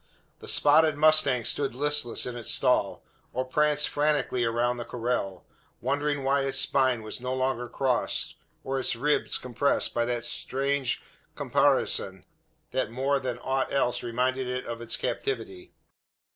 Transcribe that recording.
The spotted mustang stood listless in its stall, or pranced frantically around the corral; wondering why its spine was no longer crossed, or its ribs compressed, by that strange caparison, that more than aught else reminded it of its captivity.